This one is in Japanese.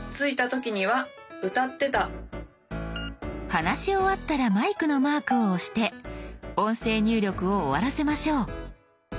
話し終わったらマイクのマークを押して音声入力を終わらせましょう。